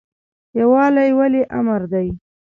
یووالی ولې امر دی؟